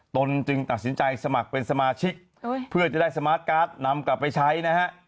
ตนจึงตัดสินใจสมัครเป็นสมาชิกเพื่อจะได้สมาร์ทการ์ดนำกลับไปใช้นะฮะ